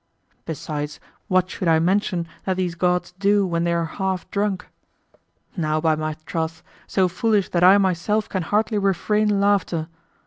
Besides, what should I mention what these gods do when they are half drunk? Now by my troth, so foolish that I myself can hardly refrain laughter.